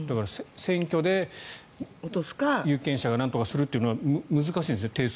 選挙で有権者がなんとかするというのが難しいですよね。